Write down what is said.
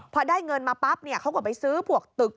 พอได้เงินมาปั๊บเนี่ยเขาก็ไปซื้อพวกตึก